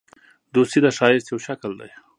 دوستي د ښایست یو شکل دی.